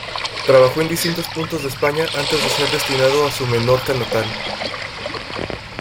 Trabajó en distintos puntos de España antes de ser destinado a su Menorca natal.